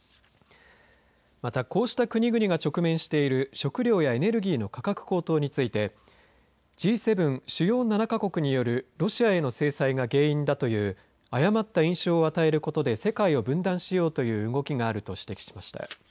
また、こうした国々が直面している食料やエネルギーの価格高騰についてＧ７、主要７か国によるロシアへの制裁が原因だという誤った印象を与えることで世界を分断しようという動きがあると指摘しました。